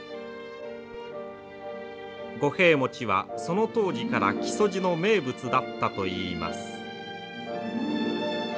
五平餅はその当時から木曽路の名物だったといいます。